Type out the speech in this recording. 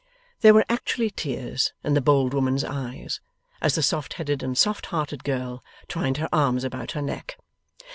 There were actually tears in the bold woman's eyes, as the soft headed and soft hearted girl twined her arms about her neck.